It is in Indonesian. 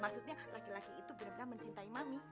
maksudnya laki laki itu benar benar mencintai mami